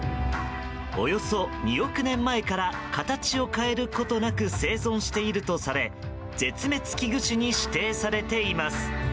およそ２億年前から形を変えることなく生存しているとされ絶滅危惧種に指定されています。